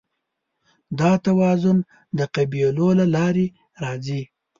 دا توازن د قبلولو له لارې راځي.